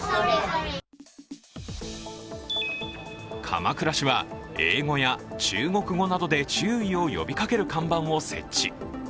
鎌倉市は英語や中国語などで注意を呼びかける看板を設置。